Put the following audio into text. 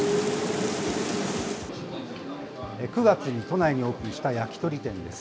９月に都内にオープンした焼き鳥店です。